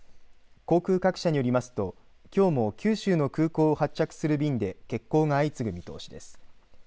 航空各社によりますときょうも九州の空港を発着する便で欠航が相次ぐ見通しです。